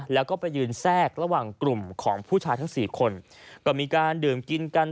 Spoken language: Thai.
แล้วก็ไปยืนแทรกระหว่างกลุ่มของผู้ชายทั้งสี่คนก็มีการดื่มกินกัน